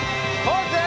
ポーズ！